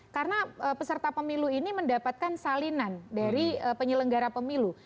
karena peserta pemilu ini mendapatkan salinan dari penyelenggara pemilu